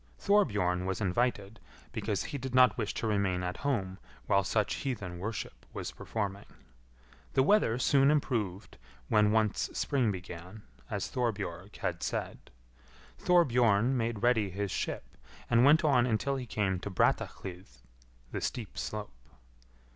Thorbjorn was invited, because he did not wish to remain at home while such heathen worship was performing. The weather soon improved when once spring began, as Thorbjorg had said, Thorbjorn made ready his ship, and went on until he came to Brattahlid (the steep slope).